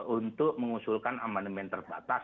untuk mengusulkan amandemen terbatas